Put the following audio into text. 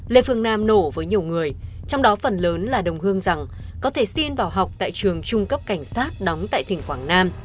lê phương nam nổ với nhiều người trong đó phần lớn là đồng hương rằng có thể xin vào học tại trường trung cấp cảnh sát đóng tại tỉnh quảng nam